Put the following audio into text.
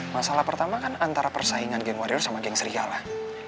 masalah pertama kan antara persaingan geng warrior sama geng serial lah